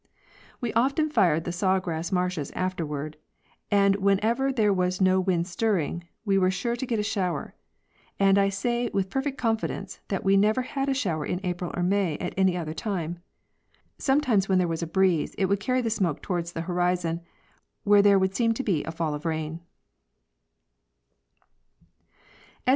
We often fired the saw grass marshes afterward; and whenever there Was no wind stirring, we were sure to get a shower; and I say with per fect confidence that we never had a shower in April or May at any other time. Sometimes when there was a breeze, it would carry the smoke toward the horizon, where there would seem to be a fall of rain.